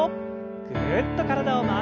ぐるっと体を回して。